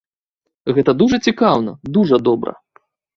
Гэта дужа цікаўна, дужа добра.